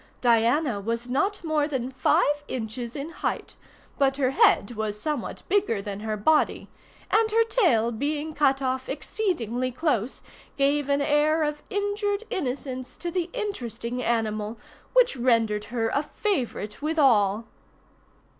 Diana was not more than five inches in height, but her head was somewhat bigger than her body, and her tail being cut off exceedingly close, gave an air of injured innocence to the interesting animal which rendered her a favorite with all.